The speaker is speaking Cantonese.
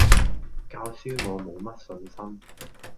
教書我冇乜信心